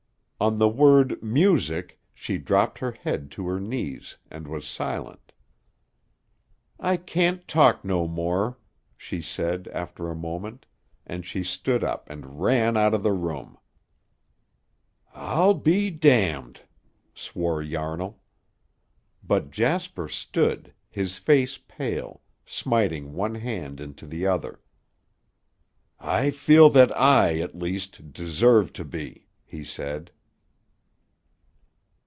On the word "music" she dropped her head to her knees and was silent. "I can't talk no more," she said, after a moment, and she stood up and ran out of the room. "I'll be d d!" swore Yarnall. But Jasper stood, his face pale, smiting one hand into the other. "I feel that I, at least, deserve to be," he said.